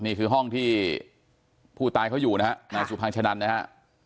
นี่คือห้องที่ผู้ตายเขาอยู่นะฮะนายสุพังชะนันนะฮะ